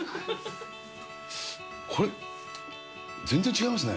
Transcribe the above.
これ、全然違いますね。